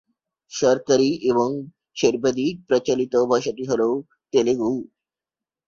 সরকারি এবং সর্বাধিক প্রচলিত ভাষাটি হলো তেলুগু।